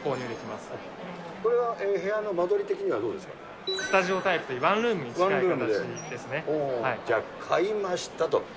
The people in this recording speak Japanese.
まこれは部屋の間取り的には、スタジオタイプ、じゃあ、買いましたと。